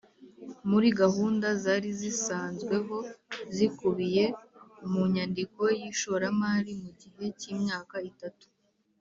muri gahunda zari zisanzweho zikubiye mu nyandiko y'ishoramali mu gihe cy'imyaka itatu